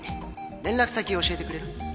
連絡先教えてくれる？